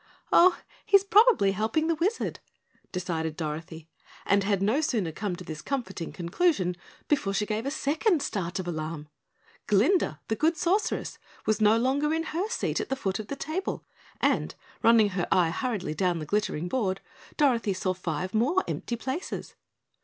"Oh, he's probably helping the Wizard," decided Dorothy, and had no sooner come to this comforting conclusion before she gave a second start of alarm. Glinda, the Good Sorceress, was no longer in her seat at the foot of the table, and running her eye hurriedly down the glittering board, Dorothy saw five more empty places.